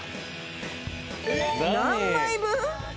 何枚分？